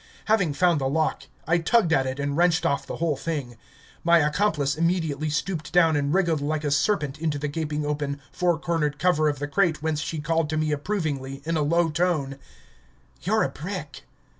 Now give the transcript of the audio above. Having found the lock, I tugged at it and wrenched off the whole thing. My accomplice immediately stooped down and wriggled like a serpent into the gaping open, four cornered cover of the crate whence she called to me approvingly, in a low tone: "You're a brick!"